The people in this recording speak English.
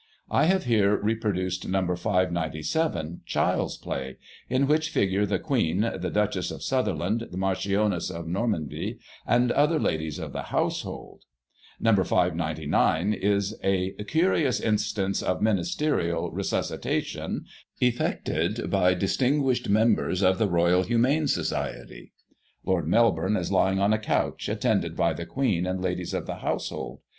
I have here reproduced No. 597, " Child's Play," in which figure the Queen, the Duchess of Sutherland, the Marchioness of Normanby, and other ladies of the household. No. 599 is a " Curious instance of (Ministerial) * Resuscitation,* effected by distinguished members of the Royal Humane Society." Lord Melbourne is lying on a couch, attended by the Queen and ladies of the household.